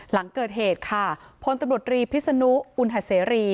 หลังเกิดเหตุค่ะพลตำรวจรีพิศนุอุณหเสรี